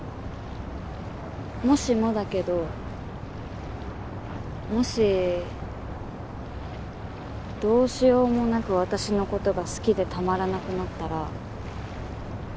もしもだけどもしどうしようもなく私の事が好きでたまらなくなったら。